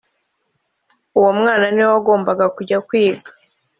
uwo mwana niwe wagombaga kujya kwiga.